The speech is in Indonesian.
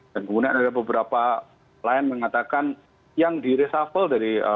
dan kemudian ada beberapa lain mengatakan yang diresafel dari ee